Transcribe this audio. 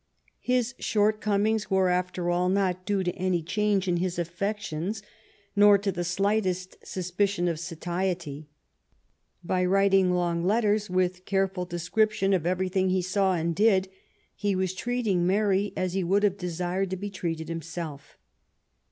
His shortcomings were, after all, not due to any change in his affections, nor to the slightest suspicion of satiety. By writing long letters with careful description of everything he saw and did, he was treating Mary as he would have desired to be treated himself.